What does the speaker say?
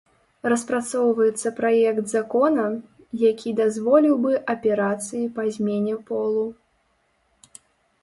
Распрацоўваецца праект закона, які дазволіў бы аперацыі па змене полу.